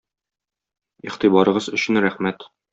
Игътибарыгыз өчен рәхмәт.